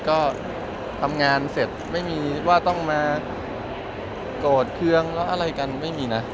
ก็ทำงานเสร็จไม่มีว่าต้องมาโกรธเครื่องแล้วอะไรกันไม่มีนะ